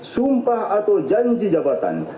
sumpah atau janji jabatan